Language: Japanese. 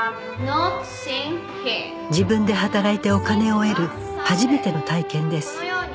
自分で働いてお金を得る初めての体験です